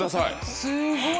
すごい。